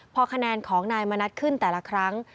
พอคะแนนของนายมณัฐขึ้นแต่ละครั้ง